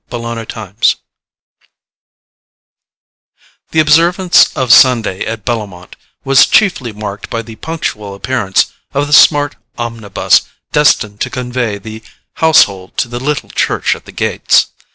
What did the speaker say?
Chapter 5 The observance of Sunday at Bellomont was chiefly marked by the punctual appearance of the smart omnibus destined to convey the household to the little church at the gates.